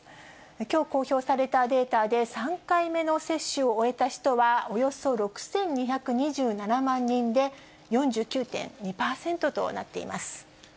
きょう公表されたデータで、３回目の接種を終えた人は、およそ６２２７万人で、４９．２％となっています。